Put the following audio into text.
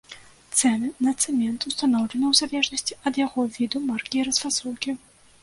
Цэны на цэмент устаноўлены ў залежнасці ад яго віду, маркі і расфасоўкі.